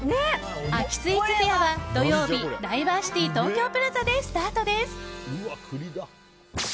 秋スイーツフェアは、土曜日ダイバーシティ東京プラザでスタートです。